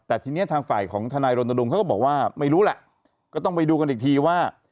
แต่ทีนี้ทางฝ่ายของทนายรณรงค์เขาก็บอกว่าไม่รู้แหละก็ต้องไปดูกันอีกทีว่า